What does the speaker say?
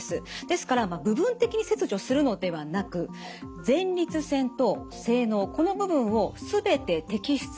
ですから部分的に切除するのではなく前立腺と精のうこの部分を全て摘出します。